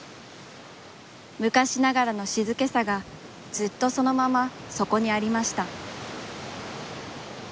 むかしながらの静けさが、ずっとそのまま、そこにありました。